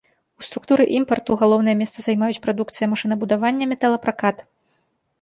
У структуры імпарту галоўнае месца займаюць прадукцыя машынабудавання, металапракат.